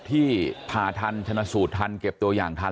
ที่ผ่าทันชนสูตรทันเก็บตัวอย่างทัน